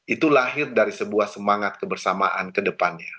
itu lahir dari sebuah semangat kebersamaan kedepannya